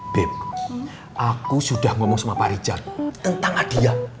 beb aku sudah ngomong sama pak rijal tentang adia